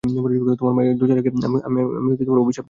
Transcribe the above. তোমার মায়ের দুরাচারকে আমি অভিশাপ দিলাম।